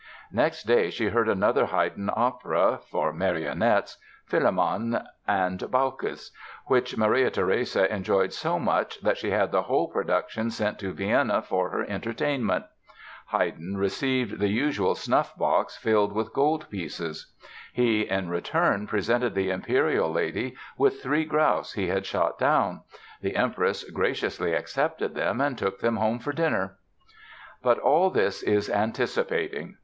Next day she heard another Haydn opera (for marionettes), "Philemon and Baucis", which Maria Theresia enjoyed so much that she had the whole production sent to Vienna for her entertainment. Haydn received the usual snuff box filled with gold pieces. He, in return, presented the imperial lady with three grouse he had shot down; the Empress "graciously accepted them" and took them home for dinner! But all this is anticipating.